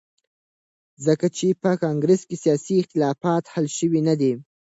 ځکه چې په کانګرس کې سیاسي اختلافات حل شوي ندي.